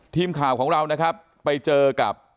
ทีมข่าวของเรานะครับไปเจอกับ